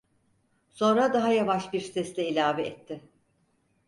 Sonra daha yavaş bir sesle ilave etti: